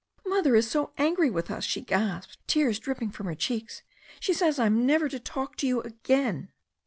"Mother is so angry with us," she gasped, tears dripping from her cheeks. "She says I'm never to talk to you again."